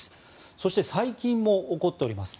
そして最近も起こっております。